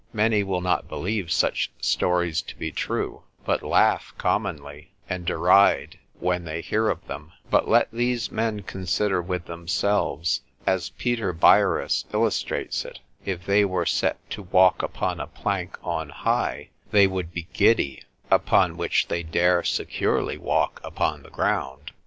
Many will not believe such stories to be true, but laugh commonly, and deride when they hear of them; but let these men consider with themselves, as Peter Byarus illustrates it, If they were set to walk upon a plank on high, they would be giddy, upon which they dare securely walk upon the ground.